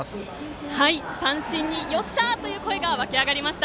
三振によっしゃー！という声が沸きあがりました。